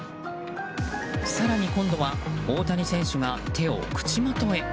更に今度は大谷選手が手を口元に。